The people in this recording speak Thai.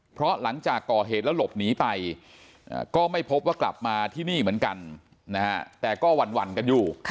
เพราะหลังจากก่อเหตุแล้วหลบหนีไปก็ไม่พบว่ากลับมาที่นี่เหมือนกันนะฮะแต่ก็หวั่นกันอยู่